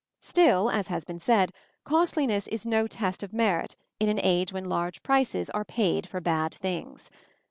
Still, as has been said, costliness is no test of merit in an age when large prices are paid for bad things.